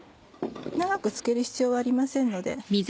長くつける必要はありませんので。